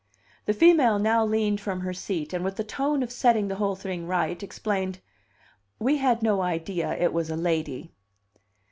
The female now leaned from her seat, and with the tone of setting the whole thing right, explained: "We had no idea it was a lady."